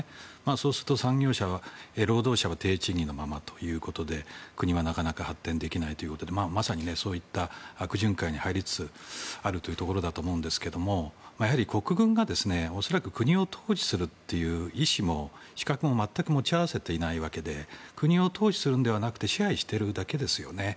そうすると労働者は低賃金のままということで国はなかなか発展できないということでそういった悪循環に入りつつあるということだと思いますが国軍が恐らく国を統治するという意思も資格も全く持ち合わせていないわけで国を統治するのではなく支配しているだけですよね。